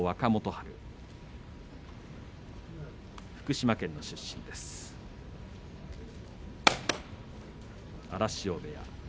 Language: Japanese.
春福島県出身です。